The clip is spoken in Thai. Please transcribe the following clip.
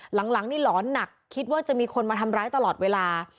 หลังนี่หลอนหนักคิดว่าจะมีคนมาทำร้ายตลอดเวลา